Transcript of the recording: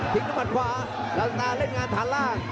ทิ้งนุมัติขวาลาซาตาเล่นงานฐานล่าง